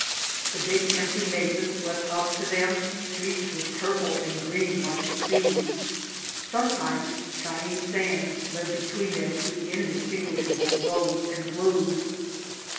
The big, empty mesas sw^ept up to them, streaked with purple and green like the sea. Sometimes shining sand led between them to indistinguishable rose and blue.